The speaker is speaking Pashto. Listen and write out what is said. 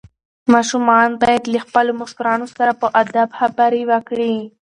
ماشومان باید له خپلو مشرانو سره په ادب خبرې وکړي.